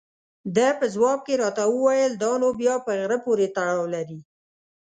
ده په ځواب کې راته وویل: دا نو بیا په غره پورې تړاو لري.